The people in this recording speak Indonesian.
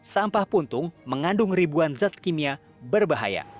sampah puntung mengandung ribuan zat kimia berbahaya